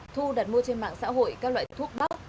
thu đặt mua trên mạng xã hội các loại thuốc bóc